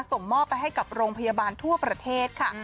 ส่งมอบไปให้กับโรงพยาบาลทั่วประเทศค่ะ